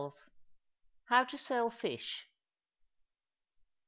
HOW TO SELL FISH.